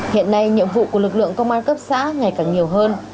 hiện nay nhiệm vụ của lực lượng công an cấp xã ngày càng nhiều hơn